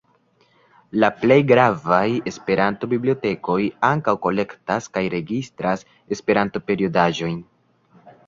La plej gravaj Esperanto-bibliotekoj ankaŭ kolektas kaj registras Esperanto-periodaĵojn.